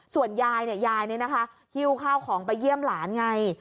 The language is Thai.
ส่วนยายเนี่ยยายเนี่ยนะคะหิ้วข้าวของไปเยี่ยมหลานไง